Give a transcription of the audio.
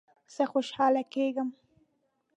زه خوشحاله کیږم